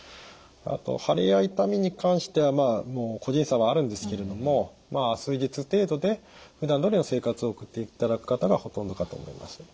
あと腫れや痛みに関しては個人差はあるんですけれども数日程度でふだんどおりの生活を送っていただく方がほとんどかと思います。